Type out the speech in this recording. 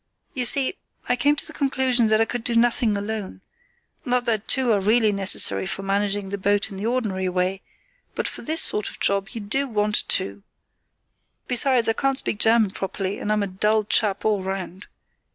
You see, I came to the conclusion that I could do nothing alone; not that two are really necessary for managing the boat in the ordinary way, but for this sort of job you do want two; besides, I can't speak German properly, and I'm a dull chap all round.